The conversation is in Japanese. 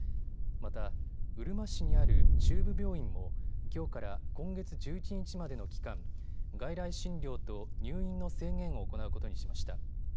また、うるま市にある中部病院もきょうから今月１１日までの期間、外来診療と入院の制限を行うことにしました。